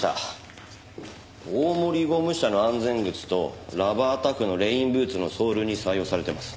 大森ゴム社の安全靴とＲｕｂｂｅｒＴｏｕｇｈのレインブーツのソールに採用されています。